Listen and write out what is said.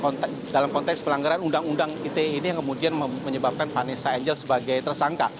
nah dalam konteks pelanggaran undang undang ite ini yang kemudian menyebabkan vanessa angel sebagai tersangka